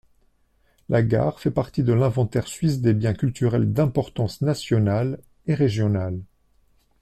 La gare fait partie de l'Inventaire suisse des biens culturels d'importance nationale et régionale.